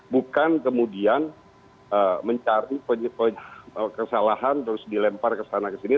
bukan kemudian mencari kesalahan terus dilempar kesana kesini